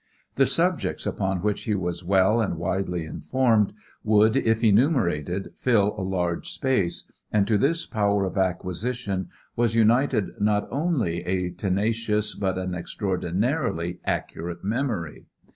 The subjects upon which he was well and widely informed would, if enumerated, fill a large space, and to this power of acquisition was united not only a tenacious but an extraordinarily accurate memory.